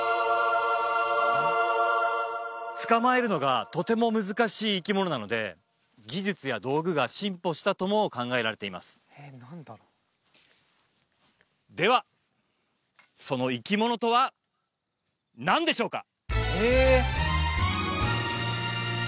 捕まえるのがとても難しい生き物なので技術や道具が進歩したとも考えられていますではその生き物とは何でしょうか？